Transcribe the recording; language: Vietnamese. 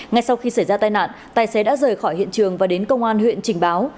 ngay sau khi xảy ra tai nạn tài xế đã rời khỏi hiện trường và đến công an huyện trình báo